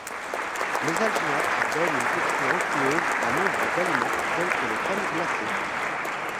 Les alginates donnent une texture onctueuse à nombre d'aliments tels que les crèmes glacées.